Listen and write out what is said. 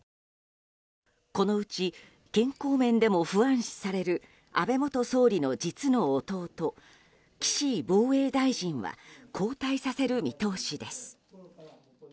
このうち健康面でも不安視される安倍元総理の実の弟岸防衛大臣は交代させる見通しです。